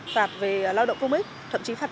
phạt về lao động công ích thậm chí phạt tù